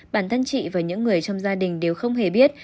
bản thân chị và những người trong gia đình đều không hề biết